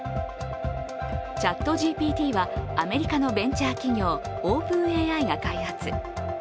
ＣｈａｔＧＰＴはアメリカのベンチャー企業、ＯｐｅｎＡＩが開発。